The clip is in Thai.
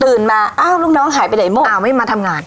มาอ้าวลูกน้องหายไปไหนโม่อ้าวไม่มาทำงาน